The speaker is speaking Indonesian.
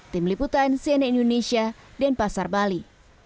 tim liputan siene indonesia dan pasar bali